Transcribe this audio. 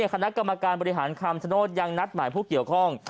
คณะกรรมการบริหารคำชโนธยังนัดหมายผู้เกี่ยวข้อง